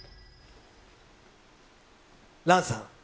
ランさん。